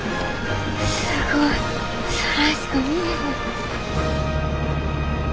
すごい空しか見えへん。